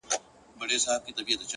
هره تېروتنه د نوي فهم دروازه ده؛